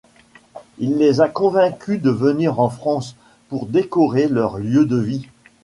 Il les a convaincues de venir en France pour décorer leurs lieux de vie.